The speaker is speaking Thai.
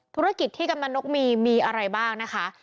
ธุรกิจที่กำลังนกมีมีอะไรบ้างนะคะ